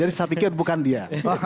jadi saya pikir bukan dia